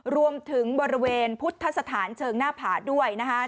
รวมถึงบริเวณพุทธสถานเชิงหน้าผาด้วยนะคะ